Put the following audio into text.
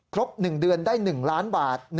๑เดือนได้๑ล้านบาท